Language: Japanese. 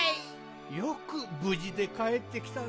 よくぶじでかえってきたね。